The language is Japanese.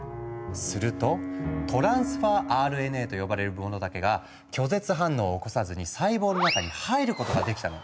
すると「トランスファーＲＮＡ」と呼ばれるものだけが拒絶反応を起こさずに細胞の中に入ることができたの。